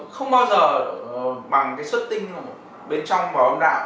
không bao giờ bằng cái xuất tinh bên trong và âm đạo